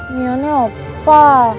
ini aneh opa